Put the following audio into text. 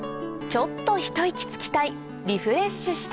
ちょっとひと息つきたいリフレッシュしたい